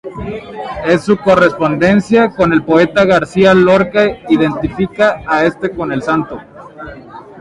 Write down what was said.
En su correspondencia con el poeta García Lorca identifica a este con el santo.